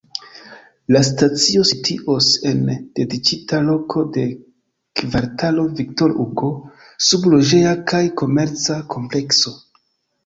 La stacio situos en dediĉita loko de kvartalo Victor-Hugo, sub loĝeja kaj komerca komplekso.